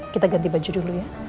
kita ganti baju dulu ya